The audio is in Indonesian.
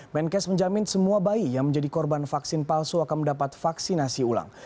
menkes menjamin semua bayi yang menjadi korban vaksin palsu akan mendapat vaksinasi ulang